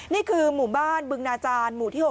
นี่คือหมู่บ้านบึงนาจารย์หมู่ที่๖